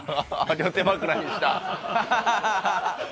両手枕にした。